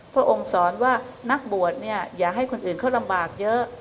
พระองค์สอนว่านักบวชเนี่ยอย่าให้คนอื่นเขาลำบากเยอะ